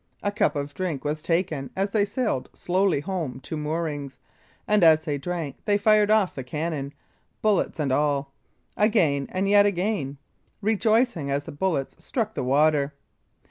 A cup of drink was taken as they sailed slowly home to moorings, and as they drank they fired off the cannon, "bullets and all," again and yet again, rejoicing as the bullets struck the water.